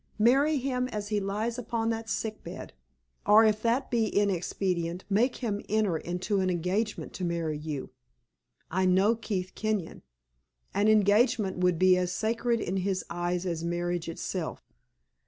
Marry him as he lies upon that sick bed, or, if that be inexpedient, make him enter into an engagement to marry you. I know Keith Kenyon. An engagement would be as sacred in his eyes as marriage itself.